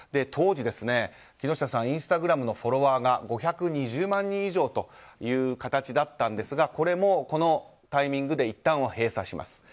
当時、木下さんインスタグラムのフォロワーが５２０万人以上という形だったんですがこれも、このタイミングでいったんは閉鎖します。